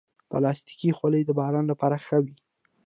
پلاستيکي خولۍ د باران لپاره ښه وي.